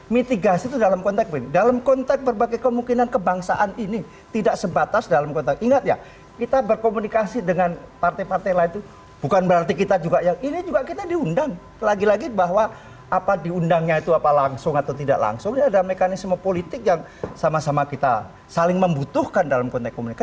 mitigasi itu dalam konteks mohon maaf dalam konteks berbagai kemungkinan kebangsaan ini tidak sebatas dalam konteks ingat ya kita berkomunikasi dengan partai partai lain itu bukan berarti kita juga yang ini juga kita diundang lagi lagi bahwa apa diundangnya itu apa langsung atau tidak langsung ada mekanisme politik yang sama sama kita saling membutuhkan dalam konteks komunikasi